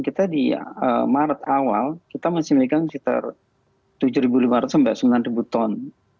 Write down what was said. kita di maret awal kita masih memegang sekitar tujuh lima ratus sampai sembilan ton